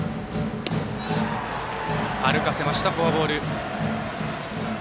歩かせましたフォアボール。